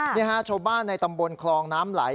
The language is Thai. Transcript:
นี่ฮะชาวบ้านในตำบลคลองน้ำไหล